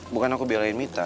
bukan aku belain mita